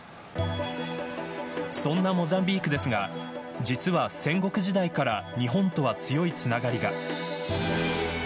そんなモザンビークですが実は、戦国時代から日本とは強いつながりが。